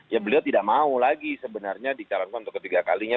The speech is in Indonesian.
ya beliau tidak mau lagi sebenarnya dicalonkan untuk ketiga kalinya